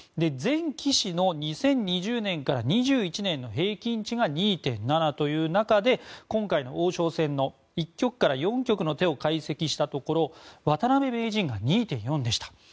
全棋士の２０２０年から２０２１年の平均値が２．７という中で今回の王将戦の１局から４局の手を解析したところ渡辺名人が２．４でした。